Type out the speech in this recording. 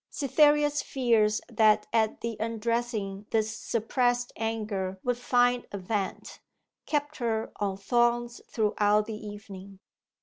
Cytherea's fears that at the undressing this suppressed anger would find a vent, kept her on thorns throughout the evening.